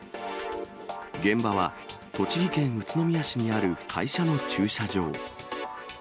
現場は栃木県宇都宮市にある会社の駐車場。